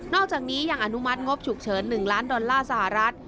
อกจากนี้ยังอนุมัติงบฉุกเฉิน๑ล้านดอลลาร์สหรัฐ